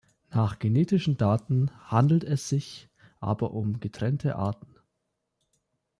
Nach genetischen Daten handelt es sich aber um getrennte Arten.